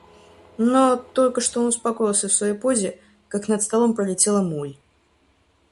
Но, только что он успокоился в своей позе, как над столом пролетела моль.